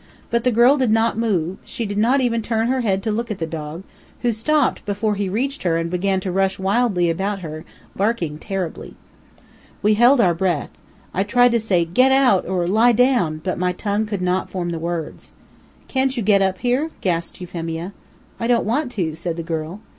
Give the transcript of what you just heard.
But the girl did not move; she did not even turn her head to look at the dog, who stopped before he reached her and began to rush wildly around her, barking terribly. We held our breath. I tried to say "get out!" or "lie down!" but my tongue could not form the words. "Can't you get up here?" gasped Euphemia. "I don't want to," said the girl.